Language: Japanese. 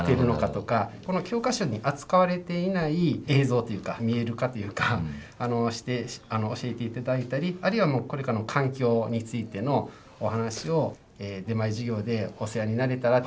この教科書に扱われていない映像というか見える化というかして教えて頂いたりあるいはこれからの環境についてのお話を出前授業でお世話になれたらって。